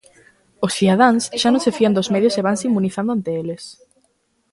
Os cidadáns xa non se fían dos medios e vanse inmunizando ante eles.